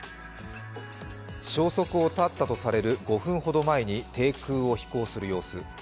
消息を絶ったとされる５分ほど前に低空を飛行する様子。